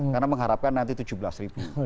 karena mengharapkan nanti tujuh belas ribu